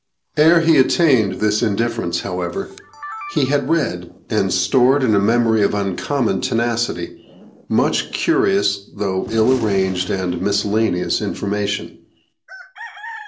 Ere he attained this indifference, however, he had read, and stored in a memory of uncommon tenacity, much curious, though ill arranged and miscellaneous information.